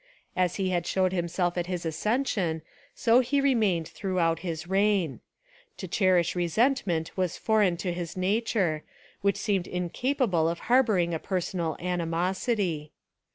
As he had 290 A Rehabilitation of Charles II shewed himself at his accession, so he remained throughout his reign. To cherish resentment was foreign to his nature, which seemed inca pable of harbouring a personal animosity.